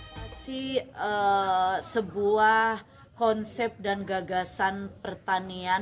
masih sebuah konsep dan gagasan pertanian yang bermain